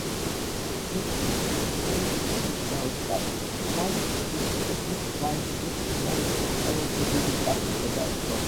აღნიშნული ჩანაწერი აღინიშნა ოსკარით, რაც ჰიპ-ჰოპის ჟანრში სიმღერისთვის ყველაზე დიდი წარმატება იყო.